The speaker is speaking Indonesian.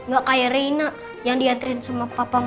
gak kayak raina yang diantrin sama papa mamanya